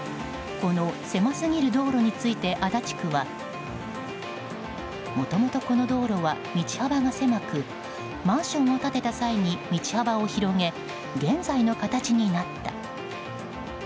この狭すぎる道路について足立区はもともとこの道路は道幅が狭くマンションを建てた際に道幅を広げ現在の形になった。